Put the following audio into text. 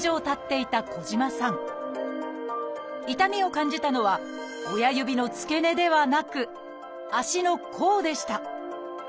痛みを感じたのは親指の付け根ではなく足の甲でした。